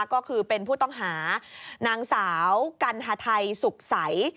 ก็คือเป็นผู้ต้องหานางสาวกัณฑไทยสุขใส